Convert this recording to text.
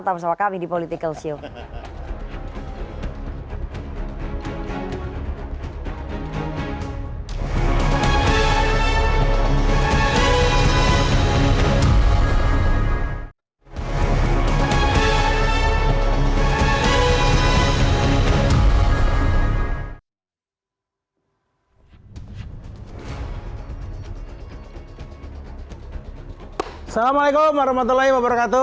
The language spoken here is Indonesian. tetap bersama kami di political show